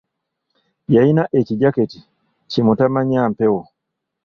Yalina ekijaketi ki mutamanyampewo.